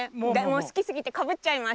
すきすぎてかぶっちゃいました。